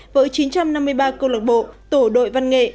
với chín trăm năm mươi ba công lộc bộ tổ đội văn nghệ